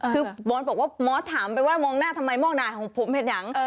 คือบอสบอกว่ามอสถามไปว่ามองหน้าทำไมมองหน้าของผมเห็นยัง